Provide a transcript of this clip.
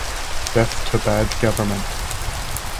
Death to bad government!